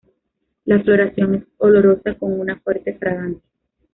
La floración es olorosa con una fuerte fragancia.